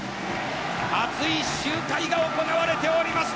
熱い集会が行われております